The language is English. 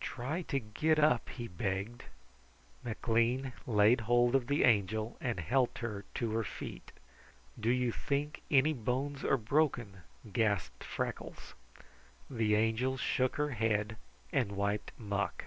"Try to get up," he begged. McLean laid hold of the Angel and helped her to her feet. "Do you think any bones are broken?" gasped Freckles. The Angel shook her head and wiped muck.